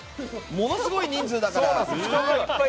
ものすごい人数だから。